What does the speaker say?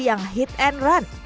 yang hit and run